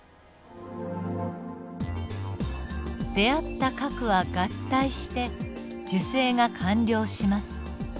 出会った核は合体して受精が完了します。